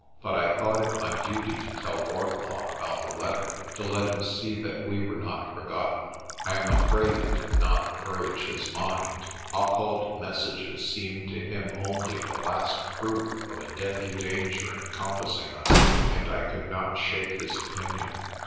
But I thought it my duty to tell Ward law about the letter, to let him see that we were not for gotten. I am afraid it did not encourage his mind. Occult messages seemed to him only the last proof of a deadly danger encompassing us, and I could not shake his opinion.